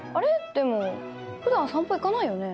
でもふだん散歩行かないよね。